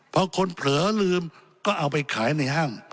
พอคนเผลอลืมก็เอาไปขายในห้าง